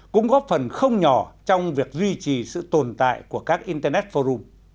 cũng góp phần không nhỏ trong việc duy trì sự tồn tại của các internet forum